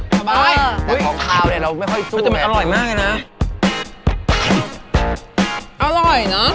สบายแต่ของขาวเนี่ยเราไม่ค่อยสู้นะคุณอร่อยมากเลยนะ